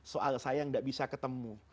soal saya yang tidak bisa ketemu